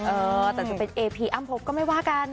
เออแต่จะเป็นเอพีอ้ำพบก็ไม่ว่ากัน